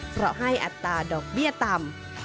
เพราะให้อัตราดอกเบี้ยต่ำ